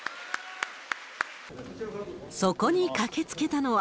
そこに駆けつけたのは。